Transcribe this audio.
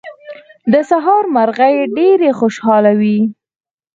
د سهار مرغۍ ډېرې خوشاله وې.